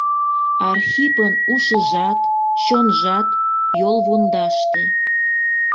Архипын ушыжат, чонжат — йолвундаште!